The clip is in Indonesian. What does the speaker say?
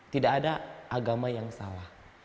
tidak ada agama yang salah